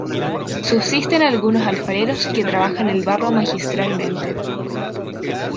Subsisten algunos alfareros que trabajan el barro magistralmente.